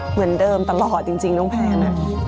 เหมือนเดิมตลอดจริงน้องแพน